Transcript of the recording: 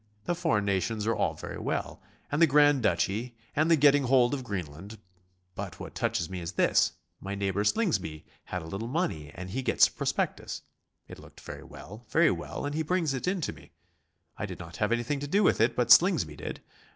The foreign nations are all very well, and the grand duchy and the getting hold of Greenland, but what touches me is this My neighbour Slingsby had a little money, and he gets a prospectus. It looked very well very well and he brings it in to me. I did not have anything to do with it, but Slingsby did.